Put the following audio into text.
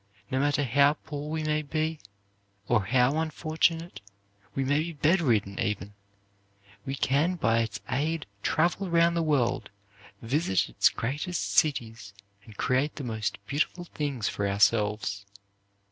No matter how poor we may be, or how unfortunate, we may be bedridden even, we can by its aid travel round the world, visit its greatest cities, and create the most beautiful things for ourselves.